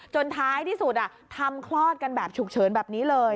ท้ายที่สุดทำคลอดกันแบบฉุกเฉินแบบนี้เลย